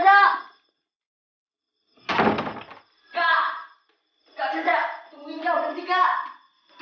kak kak kaca tungguin kau nanti kak